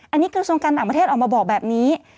อันนี้กระทรวงการต่างประเทศออกมาบอกแบบนี้